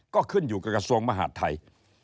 ก็ขึ้นอยู่กับกระทรวงมหาดไทย